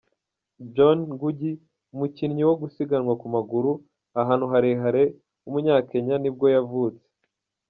John Ngugi, umukinnyi wo gusiganwa ku maguru, ahantu harehare w’umunyakenya nibwo yavutse.